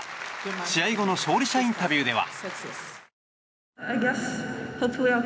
試合後の勝利者インタビューでは。